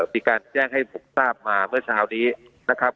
มีการแจ้งให้ผมทราบมาเมื่อเช้านี้นะครับ